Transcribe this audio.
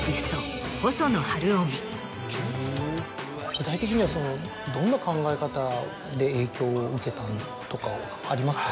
具体的にはどんな考え方で影響を受けたとかありますかね？